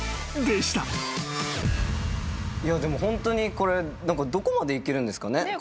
でもホントにこれどこまで行けるんですかね？